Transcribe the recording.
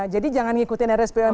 jadi jangan ngikutin rspo yang